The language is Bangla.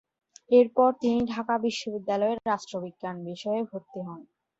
এরপর তিনি ঢাকা বিশ্ববিদ্যালয়ে রাষ্ট্রবিজ্ঞান বিষয়ে ভর্তি হন।